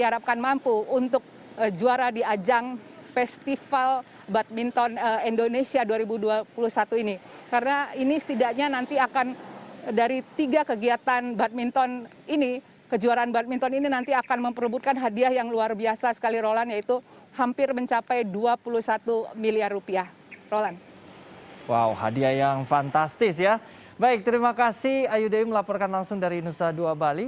rahayu yang nanti akan ikut di ajang festival indonesia badminton festival ini dan kita berharap memang meskipun acara kegiatan ini tidak diperbolehkan oleh penonton namun memang panitia sudah memberikan link atau streaming yang bisa disaksikan secara langsung